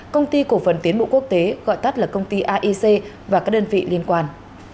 công ty cổ phần tiến bộ quốc tế gọi tắt là công ty aic và các đơn vị liên quan